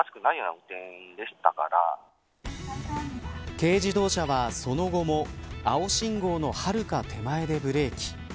軽自動車はその後も青信号のはるか手前でブレーキ。